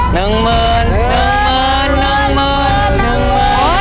หนึ่งหมื่นหนึ่งหมื่นหนึ่งหมื่น